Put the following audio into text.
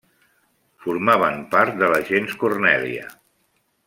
Formaven part de la gens Cornèlia.